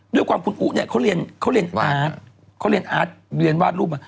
ด้วยความคุณอุ๊เนี่ยเขาเรียนเขาเรียนอาร์ตเขาเรียนอาร์ตเรียนวาดรูปมา